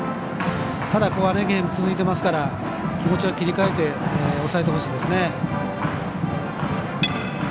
ただ、ここはゲーム続いていますから気持ちを切り替えて抑えてほしいですね。